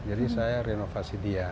jadi saya renovasi dia